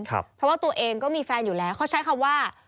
เพราะว่าตัวเองก็มีแฟนอยู่แล้วเขาใช้คำว่า